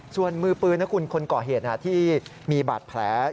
ส่วนมือปืนนะคุณคนก่อเหตุที่มีบาดแผล